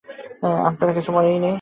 আপনার কি কিছুই মনে নেই?